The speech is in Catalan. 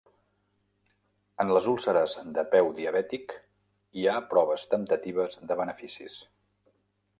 En les úlceres de peu diabètic hi ha proves temptatives de beneficis.